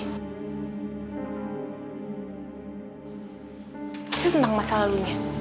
itu tentang masa lalunya